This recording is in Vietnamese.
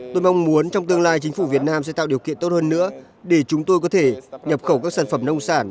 tôi mong muốn trong tương lai chính phủ việt nam sẽ tạo điều kiện tốt hơn nữa để chúng tôi có thể nhập khẩu các sản phẩm nông sản